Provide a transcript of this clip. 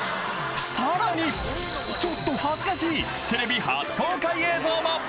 更に、ちょっと恥ずかしいテレビ初公開映像も。